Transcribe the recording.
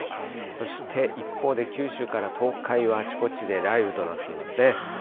そして、一方で九州から東海はあちこちで雷雨となっていますね。